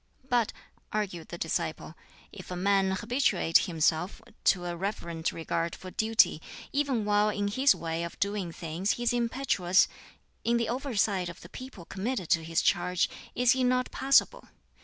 "But," argued the disciple, "if a man habituate himself to a reverent regard for duty even while in his way of doing things he is impetuous in the oversight of the people committed to his charge, is he not passable?